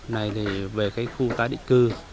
này thì về cái khu tá định cư